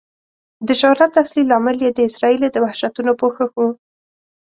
د شهرت اصلي لامل یې د اسرائیلو د وحشتونو پوښښ و.